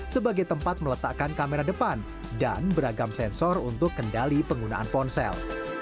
sebagai tempat meletakkan kamera depan dan beragam sensor untuk kendali penggunaan ponsel